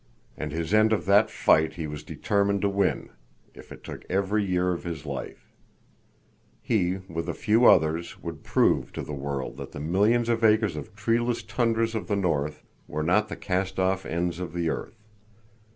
And his end of that fight he was determined to win, if it took every year of his life. He, with a few others, would prove to the world that the millions of acres of treeless tundras of the north were not the cast off ends of the earth.